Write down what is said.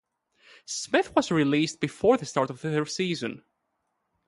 Smith was released before the start of the season.